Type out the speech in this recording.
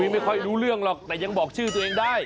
ไม่ค่อยรู้เรื่องหรอกแต่ยังบอกชื่อตัวเองได้